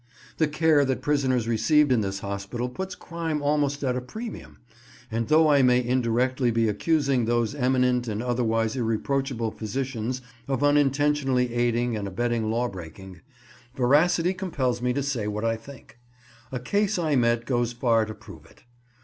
The care that prisoners receive in this hospital puts crime almost at a premium, and though I may indirectly be accusing those eminent and otherwise irreproachable physicians of unintentionally aiding and abetting law breaking, veracity compels me to say what I think. A case I met goes far to prove it.